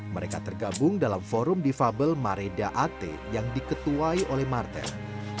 mereka tergabung dalam forum difabel mare da'ate yang diketuai oleh martin